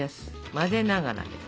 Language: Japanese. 混ぜながら。